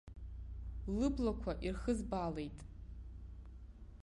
Лыблақәа ирхызбаалеит.